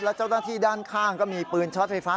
แล้วเจ้าหน้าที่ด้านข้างก็มีปืนช็อตไฟฟ้า